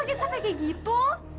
kaget sampai kayak gitu